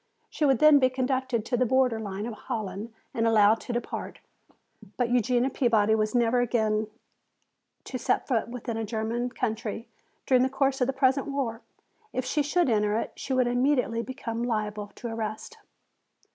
She would then be conducted to the border line of Holland and allowed to depart. But Eugenia Peabody was never again to set foot within a German country during the course of the present war. If she should enter it she would immediately become liable to arrest.